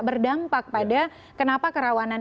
berdampak pada kenapa kerawanan